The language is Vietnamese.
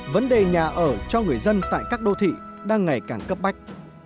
vấn đề nhà ở cho người dân tại các đô thị đang ngày càng cấp bách